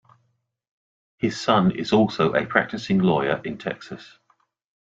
His son is also a practicing lawyer in Texas.